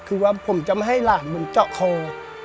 คือว่าผมจะไม่ให้ร่างบนเจาะของ